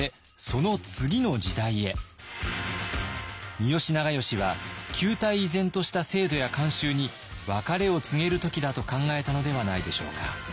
三好長慶は旧態依然とした制度や慣習に別れを告げる時だと考えたのではないでしょうか。